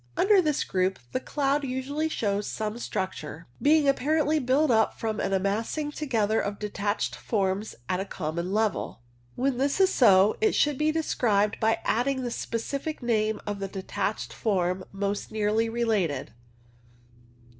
Under this ^roup the cloud usually shows some structure, being apparently built up from a massing together "of detached forms at a common level. 158 CLOUD NOMENCLATURE When this is so it should be described by adding the specific name of the detached form most nearly related.